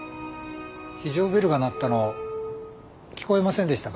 非常ベルが鳴ったの聞こえませんでしたか？